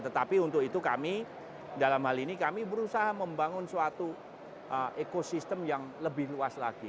tetapi untuk itu kami dalam hal ini kami berusaha membangun suatu ekosistem yang lebih luas lagi